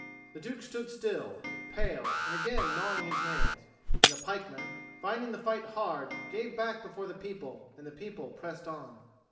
The Duke stood still, pale, and again gnawing his nails; and the pikemen, finding the fight hard, gave back before the people; and the people pressed on.